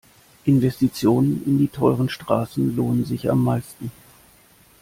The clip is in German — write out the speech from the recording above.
Investitionen in die teuren Straßen lohnen sich am meisten.